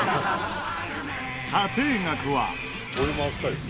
査定額は。